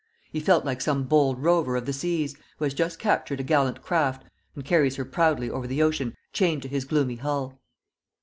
He felt like some bold rover of the seas, who has just captured a gallant craft, and carries her proudly over the ocean chained to his gloomy hull.